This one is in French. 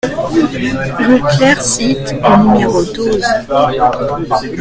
Rue Clair Site au numéro douze